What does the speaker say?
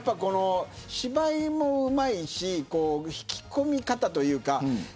芝居もうまいし引き込み方というか。